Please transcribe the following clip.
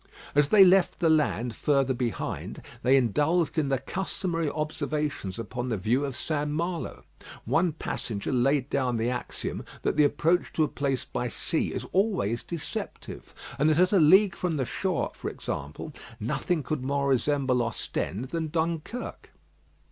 As they left the land further behind, they indulged in the customary observations upon the view of St. Malo. One passenger laid down the axiom that the approach to a place by sea is always deceptive; and that at a league from the shore, for example, nothing could more resemble Ostend than Dunkirk.